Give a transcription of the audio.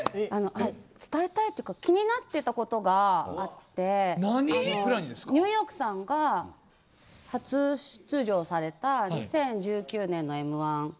伝えたいというか気になっていたことがあってニューヨークさんが初出場された２０１９年のＭ−１。